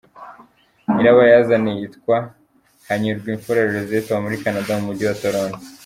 Nyirabayazana yitwa Hanyurwimfura Josette aba muri Canada mu mujyi wa Toronto.